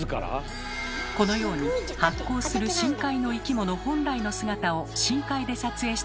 このように発光する深海の生き物本来の姿を深海で撮影したのはＮＨＫのカメラが世界初。